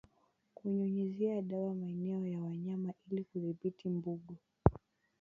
Kunyunyiza dawa maeneo ya wanyama ili kudhibiti mbungo